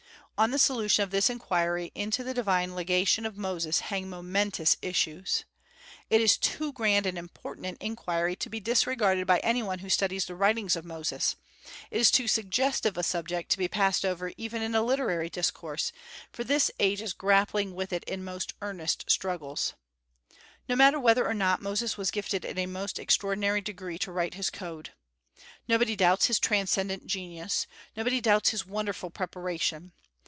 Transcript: On the solution of this inquiry into the divine legation of Moses hang momentous issues. It is too grand and important an inquiry to be disregarded by any one who studies the writings of Moses; it is too suggestive a subject to be passed over even in a literary discourse, for this age is grappling with it in most earnest struggles. No matter whether or not Moses was gifted in a most extraordinary degree to write his code. Nobody doubts his transcendent genius; nobody doubts his wonderful preparation.